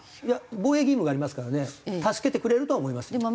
いや防衛義務がありますからね助けてくれるとは思いますよ。